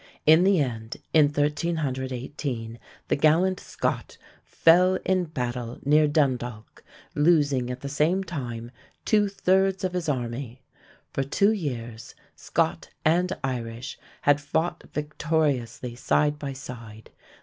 In the end, in 1318, the gallant Scot fell in battle near Dundalk, losing at the same time two thirds of his army. For two years Scot and Irish had fought victoriously side by side.